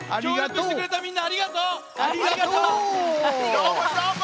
どーもどーも！